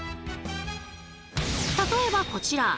例えばこちら！